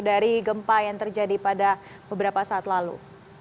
dari gempa yang terjadi pada beberapa saat lalu